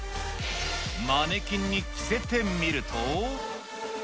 マネキンに着せてみると。